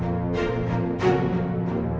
sebuah tentara yang bisa knowing